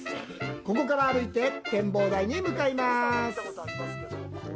ここから歩いて展望台に向かいます。